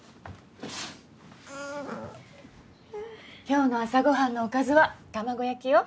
今日の朝ご飯のおかずは卵焼きよ。